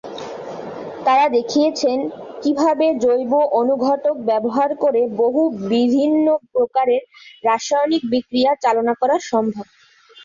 তারা দেখিয়েছেন কীভাবে জৈব অনুঘটক ব্যবহার করে বহু বিভিন্ন প্রকারের রাসায়নিক বিক্রিয়া চালনা করা সম্ভব।